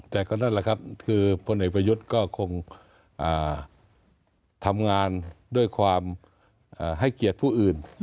แต่ก็นั่นแหละครับคือพลเอกประยุทธ์ก็คงทำงานด้วยความให้เกียรติผู้อื่น